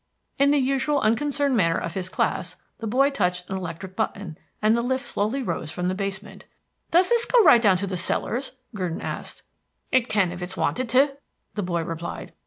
In the usual unconcerned manner of his class the boy touched an electric button, and the lift slowly rose from the basement. "Does this go right down to the cellars?" Gurdon asked. "It can if it's wanted to," the boy replied.